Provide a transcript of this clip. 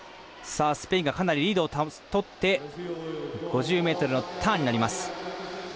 スペインがかなりリードをとって５０ｍのターンになります。